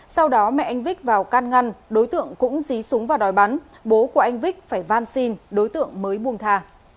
sau đó mẹ anh vích vào can ngăn đối tượng cũng dí súng vào đòi bắn bố của anh vích phải van xin đối tượng mới buông thà